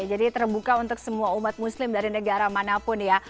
jadi terbuka untuk semua umat muslim dari negara manapun ya